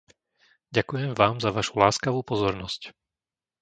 Ďakujem vám za vašu láskavú pozornosť.